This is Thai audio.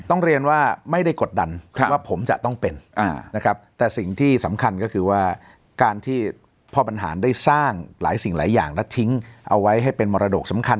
ต้องเรียนว่าไม่ได้กดดันว่าผมจะต้องเป็นนะครับแต่สิ่งที่สำคัญก็คือว่าการที่พ่อบรรหารได้สร้างหลายสิ่งหลายอย่างและทิ้งเอาไว้ให้เป็นมรดกสำคัญ